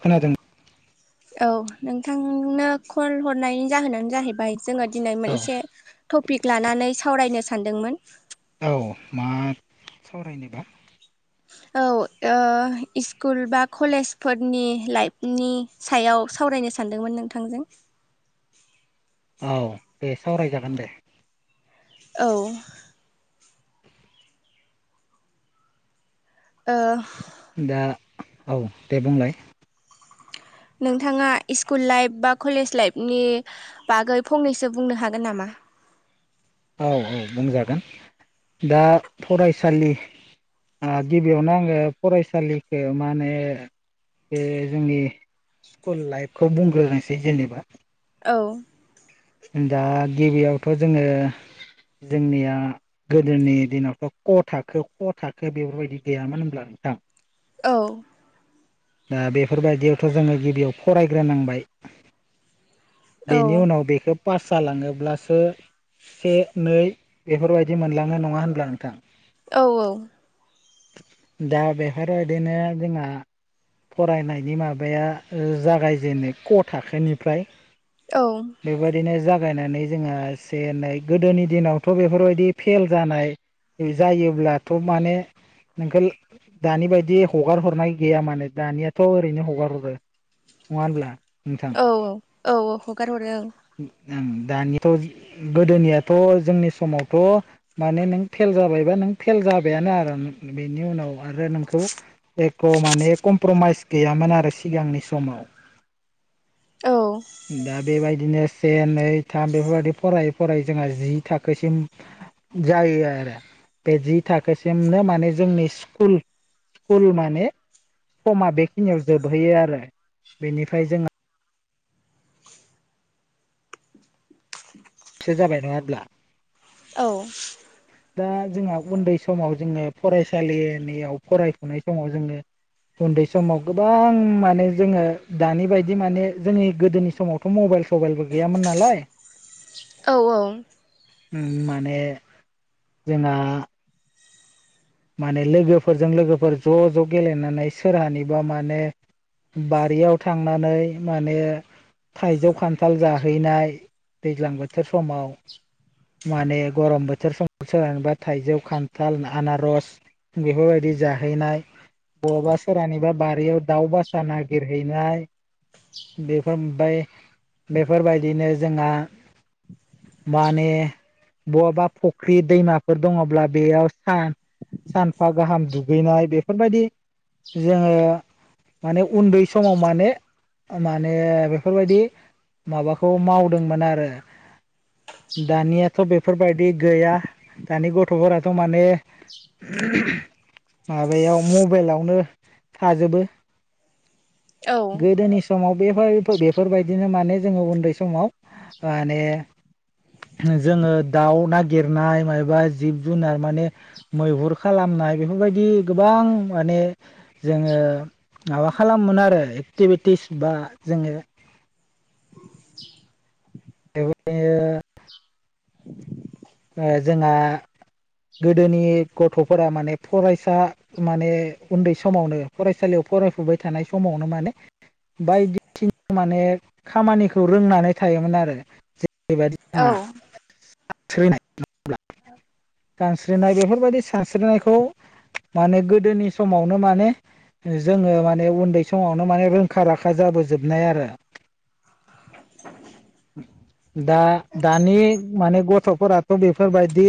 खोनादों औ नोंथांनो कल हरनायनि जाहोनानो जाहैबाय जोङो दिनै औ मोनसे टपिक लानानै सावरायनो सानदोंमोन औ मा सावरायनोबा औ स्कुल बा कलेजफोरनि लाइफनि सायाव सावरायनो सानदोंमोन नोंथांजों औ दे सावरायजागोन दे औ ओ दा औ दे बुंलाय नोंथाङा स्कुल लाइफ बा कलेज लाइफनि बागै फंनैसो बुंनो हागोन नामा औ औ बुंजागोन दा फरायसालि गिबियावनो आङो फरायसालिखौ माने बे जोंनि स्कुल लाइफखौ बुंग्रोनोसै जेनेबा औ दा गिबियावथ' जोङो जोंनिया गोदोनि दिनावथ' क थाखो ख थाखो बेफोरबायदि गैयामोन होनब्ला थां औ दा बेफोरबायदियावथ' जोङो गिबियाव फरायग्रोनांबाय औ बेनि उनाव बेखौ पास जालाङोब्लासो से नै बेफोरबायदि मोनलाङो नङा होनब्ला नोंथां औ औ दाउ बेहाव बिदिनो जोंहा फरायनायनि माबाया जागायजेननो क' थाखोनिफ्राय औ बेबायदिनो ज जागायनानै जोंहा एसे एनै गोदोनि दिनावथ' बेफोरबायदि फेल जानाय जायोब्लाथ' माने नोंखौ दानि बायदि हगार हरनाय गैया मानोे दानियाथ' ओरैनो हगार हरो नङा होमब्ला औ औ औ औ हगार हरो ओं उम दानियाथ' गोदोनियाथ' जोंनि समावथ' माने नों फेल जाबायबा नों फेल जाबायानो आरो बेनि उनाव आरो नोंखौ खौ माने कमप्रमाइस गैयामोन आरो सिगांनि समाव औ दा बेबायदिनो से नै थाम बेफोरबायदि फरायै फरायै जोंहा जि थाखोसिम जायो आरो बे जि थाखोसिमनो माने जोंनि स्कुल स्कुल माने समा बेखिनियाव जोबहैयो आरो बेनिफ्राय जोंहा सो जाबाय नङाब्ला औ दा जोंहा उन्दै समाव जोङो फरायसालिनियाव फरायफुनाय समाव जोङो उन्दै समाव गोबां माने जोङो दानि बायदि माने जोंनि गोदोनि समावथ' मबाइल मबाइल सबाइलबो गैयामोन नालाय औ औ माने जोंना माने लोगोफोरजों लोगोफोर ज' ज' गेलेनानै सोरहानिबा माने बारियाव थांनानै माने थाइजौ खान्थाल जाहैनाय दैज्लां बोथोर समाव माने गरम बोथोर समाव सोलायबा थाइजौ खान्थाल आनारस बेफोरबायदि जाहैनाय बहाबा सोरानिबा बारियाव दाउ बासा नागिरहैनाय बेफोर ओमफ्राय बेफोरबायदिनो जोंहा माने बबबा फुख्रि दैमाफोर दङब्ला बेयाव सान सानफा गाहाम दुगैनाय बेफोरबायदि जोङो माने उन्दै समाव माने माने बेफोरबायदि माबाखौ मावदोंमोन आरो। दानियाथ' बेफोरबायदि गैया, दानि गथ'फोराथ' माने माबायाव मबेलावनो थाजोबो। औ गोदोनि समाव बे बाय बेफोरबायदिनो माने जोङो उन्दै समाव माने जोङो दाउ नागिरनाय मायबा जिब जुनार माने मैहुर खालामनाय बेफोरबायदि गोबां माने जोङो माबा खालामो मोन आरो एक्टिभिटिस बा जोङो [unintelligible] जोंहा गोदोनि गथ'फोरा माने फरायसा माने उन्दै समावनो फरायसालियाव फरायफुबाय थानाय समावनो माने बायदिसिना माने खामानिखौ रोंनानै था थायोमोन आरो जेरैबायदि औ जोंहा [unintelligible] सानस्रिनाय बेफोरबायदि सानस्रिनायखौ माने गोदोनि समावनो माने जोङो माने उन्दै समावनो माने रोंखा राखा जा बोजोबनाय आरो। दा दानि माने गथ' फोराथ' बेफोरबायदि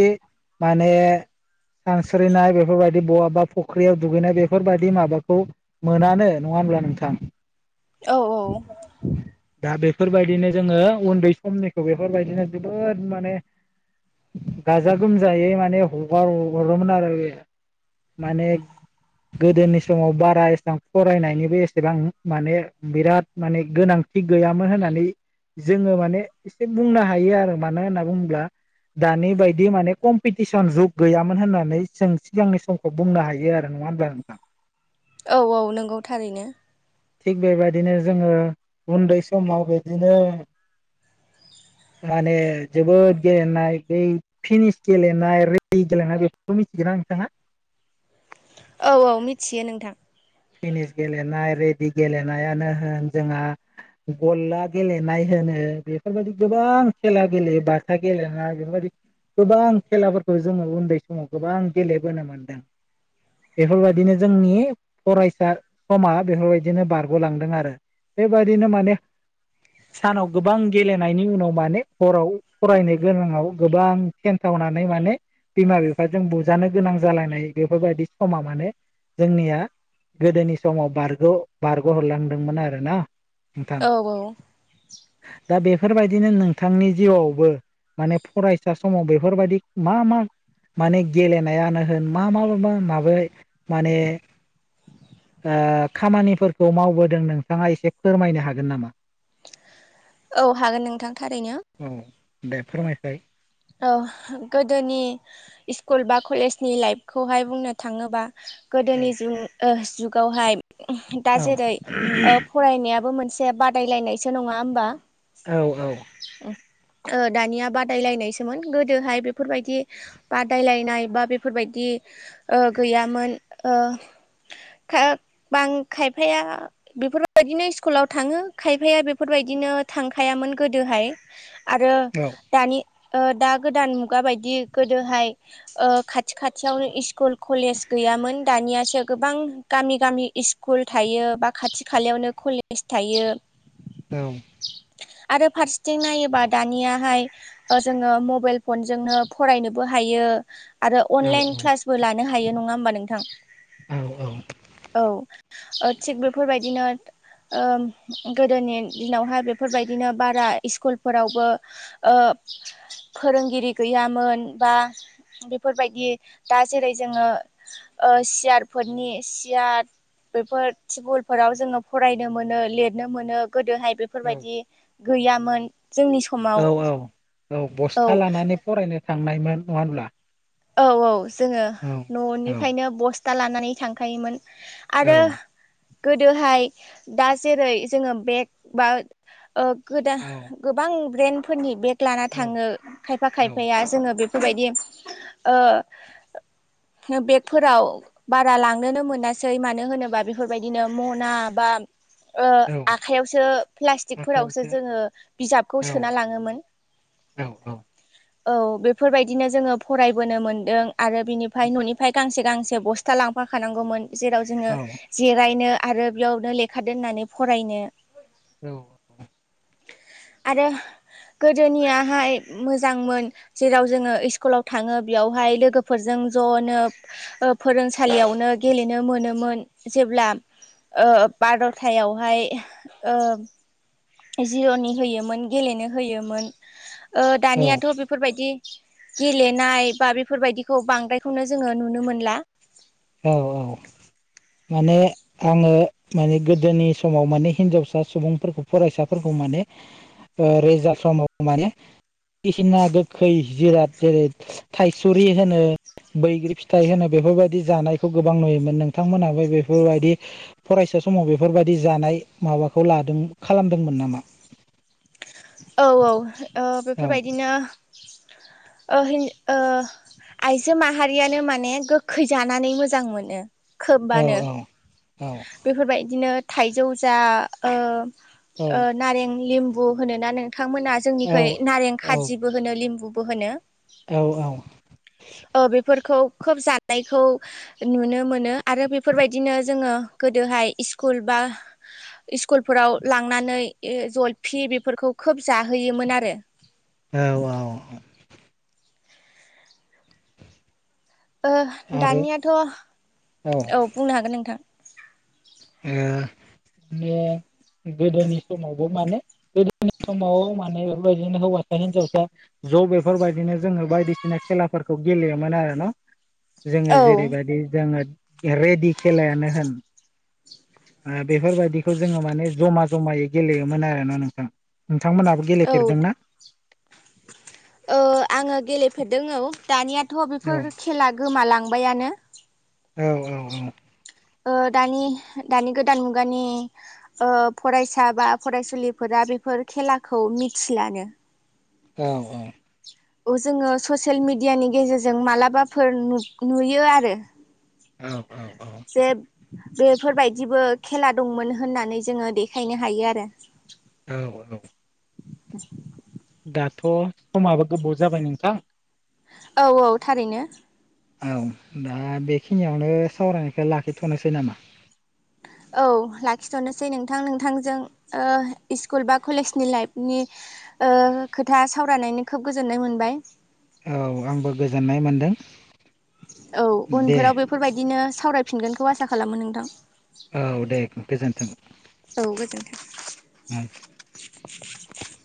माने सानस्रिनाय बेफोरबायदि बहाबा फख्रियाव दुगैनाय बेफोरबायदि माबाखौ मोनानो, नङा होमब्ला नोंथां? औ औ। दा बेफोरबायदिनो जोङो उन्दै समनिखौ बेफोरबायदिनो जोबोद माने गाजा गोमजायै माने हगार हरोमोन आरो बे माने गोदोनि समाव बारा एसां फरायनायनिबो एसेबां माने बेराद माने गोनां थि गैयामोन होननानै जोङो माने एसे बुंनो हायो आरो मानो होनना बुङोब्ला दानि बायदि माने कम्पिटिसन जुग गैयामोन होननानै जों सिगांनि समखौ बुंनो हायो। आरो नङा होमब्ला नोंथां? औ औ नंगौ थारैनो। थिग बेबायदिनो जोङो उन्दै समाव बिदिनो माने जोबोद गेलेनाय बै फिनिस गेलेनाय रेदि गेलेनाय बेफोरखौ मिथिगोना? ना नोंथाङा? औ औ मिथियो नोंथां। टेनिस गेलेनाय रेडि गेलेनायानो होन जोंहा गल्ला गेलेनाय होन नो बेफोरबायदि गोबां खेला गेलेयो, बाथा गेलेङा बेफोरबायदि गोबां खेलाफोरखौ जोङो उन्दै समाव गोबां गेलेबोनो मोनदों। बेफोरबायदिनो जोंनि फरायसा समा बेफोरबायदिनो बारग'लांदों आरो बेबायदिनो माने सानाव गोबां गेलेनायनि उनाव माने हराव फरायनो गोनाङाव गोबां सेन्थाव नानै माने बिमा बिफाजों बुजानो गोनां जालायनाय बेफोरबायदि समा माने जोंनिया गोदोनि समाव बारग' बारग' हरलांदोंमोन आरोना। नोंथां। औ औ दा बे बेफोरबायदिनो नोंथांनि जिउआवबो माने फरायसा समाव बेफोरबायदि मा मा माने गेलेनायानो होन मा मा माबै माने ओ खामानिफोरखौ मावबोदों नोंथाङा एसे फोरमायनो हागोन नामा? औ हागोन नोंथां थारैनो। औ दे फोरमायसाय औ गोदोनि इसकुल बा कलेजनि लाइफखौहाय बुंनो थाङोबा औ गोदोनि जु जुगावहाय दा औ जेरै ओ फरायनायाबो मोनसे बादायलायनायसो नङा होमबा औ औ ओ दानिया बादायलायनायसोमोन गोदोहाय बेफोरबायदि बादायलायनाय बा बेफोरबायदि ओ गैयामोन ओ खा बां खायफाया बेफोरबायदिनो स्कुलाव थाङो खायफाया बेफोरबायदिनो थांखायामोन गोदोहाय आरो औ दानि ओ दा गोदान मुगा बायदि गोदोहाय ओ खाथि खाथियावनो इस्कुल कलेज गैयामोन दानियासो गोबां गामि गामि इस्कुल थायो बा खाथि खालायावनो कलेज थायो औ आरो फारसेथिं नायोबा दानियाहाय जोङो मबाइल फनजोंनो फरायनोबो हायो बियो आरो औ अनलाइन क्लासबो लानो हायो नङा होमबा नोंथां औ ओ थिग बेफोरबायदिनो ओ गोदोनि दिनावहाय बे बेफोरबायदिनो बारा इस्कुलफोरावबो ओ फोरोंगिरि गैयामोन बा बेफोरबायदि दा जेरै जोङो ओ सियारफोरनि सियार दा बेफोर टिबुल फोराव जोङो फरायनो मोनो लिरनो मोनो गोदो हाय बेफोरबायदि गैयामोन जोंनि औ समाव औ औ बस्था लानानै फरायनो थांनायमोन नङा होनब्ला औ औ औ जोङो औ न'निफ्रायनो बस्था लानानै थांखायोमोन औ आरो गोदोहाय दा जेरै जोङो बेग बा ओ गोदा औ गोबां ब्रेन्डफोरनि बेग लाना औ थाङो खायफा औ खायफाया जोङो बे बेफोरबायदि ओ बेगफोराव बारा लांनोनो मोनासै मानो होनोबा बेफोरबायदिनो मना बा ओ औ आखाइयावसो प्लास्टिकफोरावसो आखायावसो जोङो बिजाबखौ सोना लाङोमोन औ औ औ बेफोरबायदिनो जोङो फरायबोनो मोन्दों आरो बिनिफ्राय न'निफ्राय गांसे गांसे बस्था लांफा खानांगौमोन जेराव जोङो औ जिरायनो आरो बेयावनो लेखा दोननानै फरायनो औ आरो गोदोनियाहाय मोजांमोन जेराव जोङो इस्कुलाव थां थाङो बेयावहाय लोगोफोरजों ज'नो ओ फोरोंसालियावनो गेलेनो मोनोमोन जेब्ला ओ बार'थायावहाय ओ जिर'नि होयोमोन गेलेनो होयोमोन ओ औ दानियाथ' बेफोरबायदि गेलेनाय बा बेफोरबायदिखौ बांद्रायखौनो जोङो नुनो मोनला औ औ माने आङो माने गोदोनि समाव माने हिनजावसा सुबुंफोरखौ फरायसाफोरखौ माने ओ रोजा समाव माने बायदिसिना गोखै जिराद जेरै थायसुरि होनो बैग्रि फिथाइ होनो बेफोरबायदि जानायखौ गोबां नुयोमोन नोंथांमोनाबो बेफोरबायदि फरायसा समाव बेफोरबायदि जानाय हाबाखौ लादों खालामदोंमोन नामाय औ औ ओ बेफोरबायदिनो [inaudible] ओहोय ओ आइजो माहारियानो माने गोखै जानानै मोजां मोनो औ खोबबानो औ बेफोरबायदिनो थाइजौ जा ओ ओ औ नारें लिम्बु होनोना नोंथांमोना औ जोंनिखै नारें खाजिबो होनो लिम्बु बो होनो औ औ बेफोरखौ खोब जानायखौ नुनो मोनो आरो बेफोरबायदिनो जोङो गोदोहाय इस्कुल बा स्कुलफोराव लांनानै जलफि बेफोरखौ खोब जाहोयोमोन आरो औ औ औ आरो दानियाथ' औ बुंनो हागोन नोंथां ओ गोदोनि समावबो माने गोदोनि समाव माने बेफोरबायदिनो हौवासा हिन्जावसा ज' बेफोरबायदिनो जोङो बायदिसिना खेलाफोरखौ गेलेयोमोन आरोना जोङो औ जेरैबायदि जोङो रेडि खेलायानो होन बेफोरबायदिखौ जोङो माने जमा जमायै गेलेयोमोन आरोना नोंथां नोंथांमोनहाबो औ गेलेफेरदों ना ओ आङो गेलेफेरदों औ दानियाथ' औ बेफोर खेला गोमालांबायानो औ औ औ ओदानि दानि गोदान मुगानि फरायसा बा फरायसुलिफोरा बेफोर खेलाखौ मिथिलानो औ औ जोङो ससियेल मिडियानि गेजेरजों मालाबाफोर नुयो आरो। औ औ औ बे बेफोरबायदिबो खेला दंमोन होननानै जोङो देखायनो हायो आरो। औ औ। [inaudible] दाथ' समाबो गोबाव जाबाय नोंथां। औ औ थारैनो औ दा बेखिनियावनो सावरायनायखौ लाखिथ'नोसै नामा औ लाखिथ'नोसै नोंथां नोंथांजों इस्कुल बा कलेज नि लाइफनि ओ खोथा सावरायनायनि खोब गोजोननाय मोनबाय औ आंबो गोजोननाय मोनदों औ दे उनफोराव बेफोरबायदिनो सावरायफिनगोनखौ आसा खालामो नोंथां औ दे गोजोन्थों औ गोजोन्थों हम